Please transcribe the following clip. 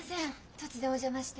突然お邪魔して。